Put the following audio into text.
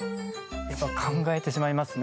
やっぱ考えてしまいますね。